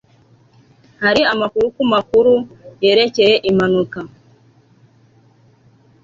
hari amakuru ku makuru yerekeye impanuka